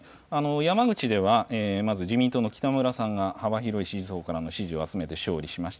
山口ではまず自民党の北村さんが幅広い支持を集めて勝利しました。